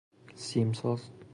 سیم ساز